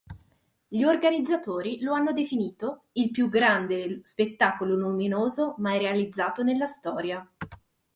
Gli organizzatori lo hanno definito "il più grande spettacolo luminoso mai realizzato nella storia".